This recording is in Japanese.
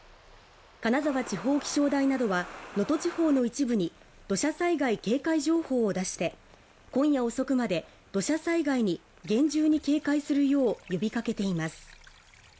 金沢地方気象台などは能登地方の一部に土砂災害警戒情報を出して今夜遅くまで土砂災害に厳重に警戒するよう呼びかけています